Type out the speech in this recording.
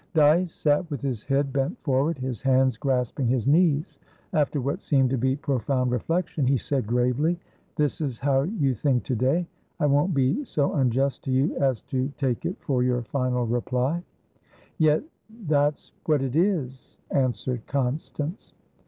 Dyce sat with his head bent forward, his hands grasping his knees. After what seemed to be profound reflection, he said gravely: "This is how you think to day. I won't be so unjust to you as to take it for your final reply." "Yet that's what it is," answered Constance.